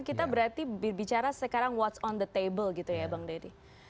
bicara berarti bicara sekarang what's on the table gitu ya bang dedy